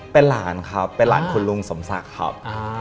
เป็นหลานครับเป็นหลานคุณลุงสมศักดิ์ครับ